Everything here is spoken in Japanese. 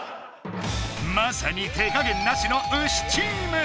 まさに手加減なしのウシチーム！